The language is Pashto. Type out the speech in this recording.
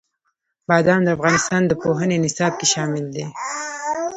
بادام د افغانستان د پوهنې نصاب کې شامل دي.